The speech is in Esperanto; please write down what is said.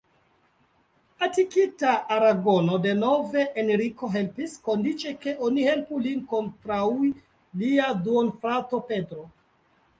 Atakita Aragono denove, Henriko helpis, kondiĉe ke oni helpu lin kontraŭ lia duonfrato Pedro.